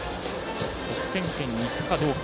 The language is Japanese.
得点圏にいくかどうか。